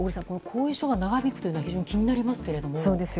後遺症が長引くというのは非常に気になりますけれども。